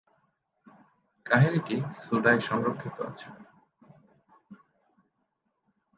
কাহিনীটি সুডায় সংরক্ষিত আছে।